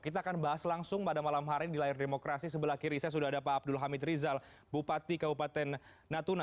kita akan bahas langsung pada malam hari di layar demokrasi sebelah kiri saya sudah ada pak abdul hamid rizal bupati kabupaten natuna